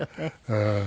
うん。